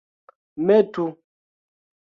metu